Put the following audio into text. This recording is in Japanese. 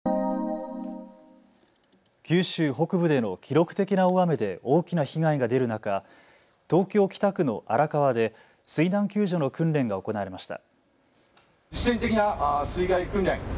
九州北部での記録的な大雨で大きな被害が出る中、東京北区の荒川で水難救助の訓練が行われました。